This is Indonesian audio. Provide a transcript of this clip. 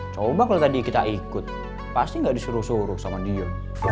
coba kalau tadi kita ikut pasti gak disuruh suruh sama dia